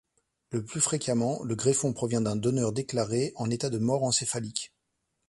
Le plus fréquemment, le greffon provient d'un donneur déclaré en état de mort encéphalique.